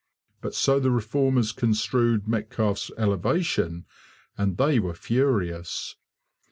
But so the Reformers construed Metcalfe's elevation; and they were furious.